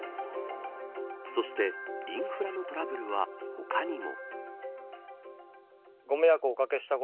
そしてインフラのトラブルは他にも。